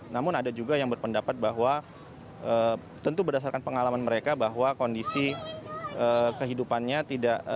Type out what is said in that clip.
namun ada juga yang berpendapat bahwa tentu berdasarkan pengalaman mereka bahwa kondisi kehidupannya tidak